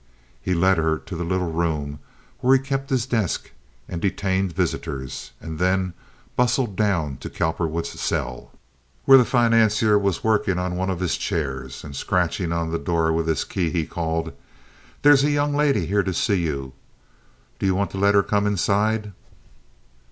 He led her to the little room where he kept his desk and detained visitors, and then bustled down to Cowperwood's cell, where the financier was working on one of his chairs and scratching on the door with his key, called: "There's a young lady here to see you. Do you want to let her come inside?"